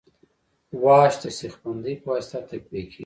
واش د سیخ بندۍ په واسطه تقویه کیږي